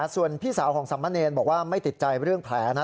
ส่วนพี่สาวของสามะเนรบอกว่าไม่ติดใจเรื่องแผลนะ